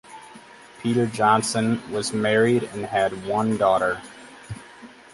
Peter Johnson was married and had one daughter.